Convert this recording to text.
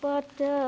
walau ada pusatnya